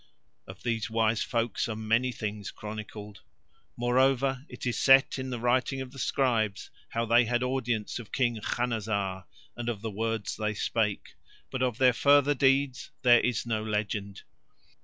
Of these wise folks are many things chronicled. Moreover, it is set in writing of the scribes how they had audience of King Khanazar and of the words they spake, but of their further deeds there is no legend.